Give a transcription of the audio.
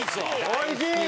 おいしい！